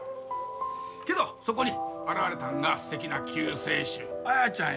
けどそこに現れたんが素敵な救世主彩ちゃんや。